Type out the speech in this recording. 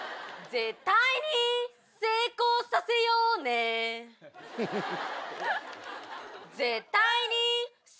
絶対に成功させようねフッ。